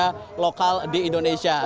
pekerja lokal di indonesia